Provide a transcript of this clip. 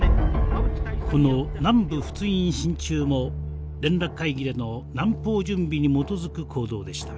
この南部仏印進駐も連絡会議での南方準備に基づく行動でした。